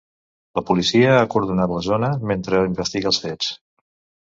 La policia ha acordonat la zona, mentre investiga els fets.